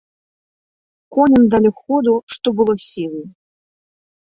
Коням далі ходу што было сілы.